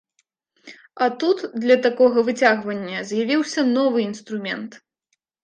А тут для такога выцягвання з'явіўся новы інструмент!